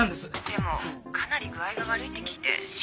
でもかなり具合が悪いって聞いて心配になって。